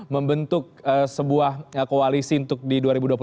membentuk sebuah koalisi untuk di dua ribu dua puluh